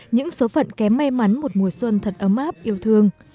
những số phận kém may mắn một mùa xuân thật ấm áp yêu thương